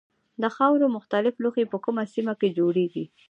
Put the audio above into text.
د خاورو مختلف لوښي په کومه سیمه کې جوړیږي.